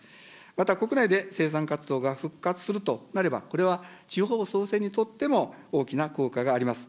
また国内で生産活動が復活するとなれば、これは地方創生にとっても大きな効果があります。